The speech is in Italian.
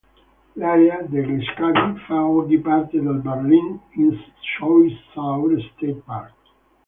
L'area degli scavi fa oggi parte del Berlin-Ichthyosaur State Park.